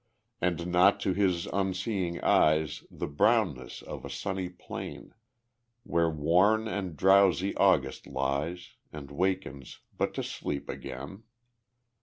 And naught to his unseeing eyes The brownness of a sunny plain, Where worn and drowsy August lies, And wakens but to sleep again.